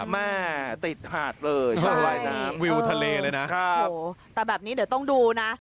มาติดหาดเลยวิวทะเลเลยนะแต่แบบนี้เดี๋ยวต้องดูนะ